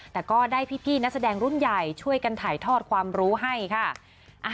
แต่ก็ได้พี่นักแสดงรุ่นใหญ่ช่วยกันถ่ายทอดความรู้ให้ค่ะ